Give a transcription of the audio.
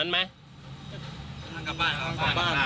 เป็นทางกลับบ้านครับ